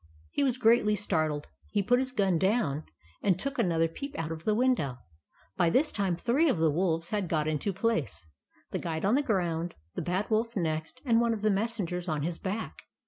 He was greatly startled. He put his gun down, and took another peep out of the window. By this time, three of the wolves had got into place, — the Guide on the ground, the Bad Wolf next, and one of the Messengers on his back.